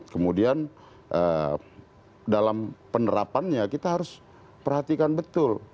kemudian dalam penerapannya kita harus perhatikan betul